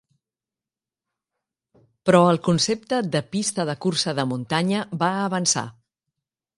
Però el concepte de "pista de cursa de muntanya" va avançar.